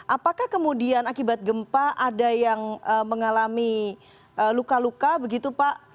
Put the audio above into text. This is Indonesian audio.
apakah kemudian akibat gempa ada yang mengalami luka luka begitu pak